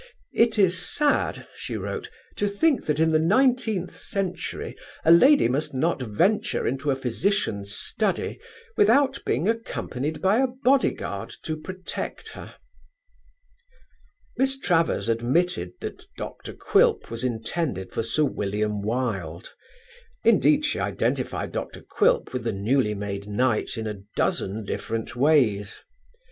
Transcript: "It is sad," she wrote, "to think that in the nineteenth century a lady must not venture into a physician's study without being accompanied by a bodyguard to protect her." Miss Travers admitted that Dr. Quilp was intended for Sir William Wilde; indeed she identified Dr. Quilp with the newly made knight in a dozen different ways.